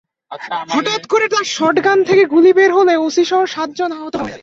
হঠাৎ করে তাঁর শটগান থেকে গুলি বের হলে ওসিসহ সাতজন আহত হন।